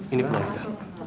ini peluang kita